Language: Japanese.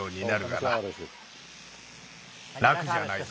らくじゃないぞ。